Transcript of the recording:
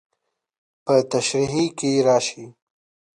په تشريحي کې راشي.